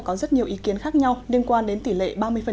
có rất nhiều ý kiến khác nhau liên quan đến tỷ lệ ba mươi